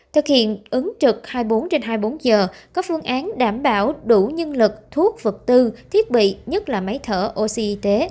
thực hiện ứng trực hai mươi bốn trên hai mươi bốn giờ có phương án đảm bảo đủ nhân lực thuốc vật tư thiết bị nhất là máy thở oxy